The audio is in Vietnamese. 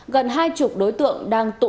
gần hai mươi đối tượng đang tìm ra